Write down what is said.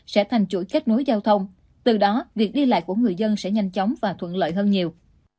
sẽ thành chuỗi kết nối giao thông từ đó việc đi lại của người dân sẽ nhanh chóng và thuận lợi hơn nhiều